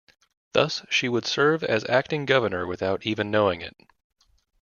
Thus, she would serve as acting governor without even knowing it.